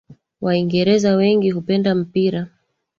Waingereza wengi hupenda mpira